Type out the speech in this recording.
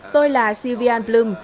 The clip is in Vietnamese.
tôi là sylviane bloom